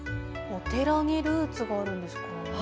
お寺にルーツがあるんですか。